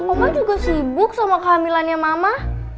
omang juga sibuk sama kehamilannya mama